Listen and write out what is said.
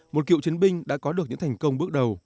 một cựu chiến binh đã có được những thành công bước đầu